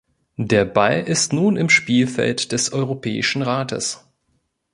Der Ball ist nun im Spielfeld des Europäischen Rates.